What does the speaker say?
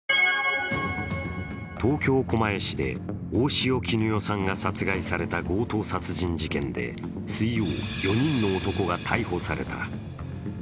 東京・狛江市で大塩衣与さんが殺害された強盗殺人事件で水曜、４人の男が逮捕された。